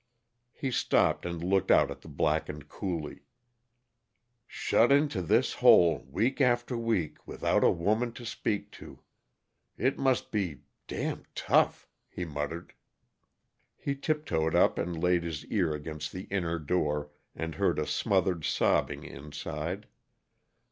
He stopped and looked out at the blackened coulee. "Shut into this hole, week after week, without a woman to speak to it must be damned tough!" he muttered. He tiptoed up and laid his ear against the inner door, and heard a smothered sobbing inside.